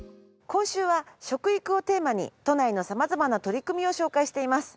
今週は食育をテーマに都内の様々な取り組みを紹介しています。